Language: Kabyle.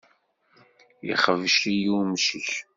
Ixbec-iyi umcic.